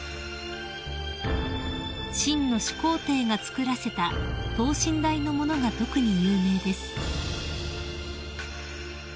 ［秦の始皇帝が作らせた等身大の物が特に有名です］